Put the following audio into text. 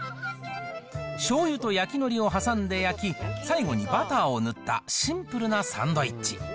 しょうゆと焼きのりを挟んで焼き、最後にバターを塗ったシンプルなサンドイッチ。